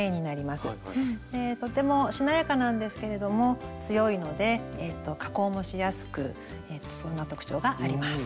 とてもしなやかなんですけれども強いので加工もしやすくそんな特徴があります。